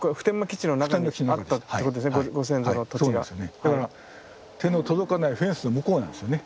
だから手の届かないフェンスの向こうなんですよね。